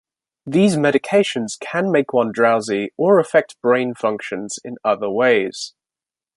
These medications can make one drowsy or affect brain functions in other ways.